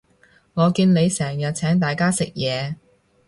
我見你成日請大家食嘢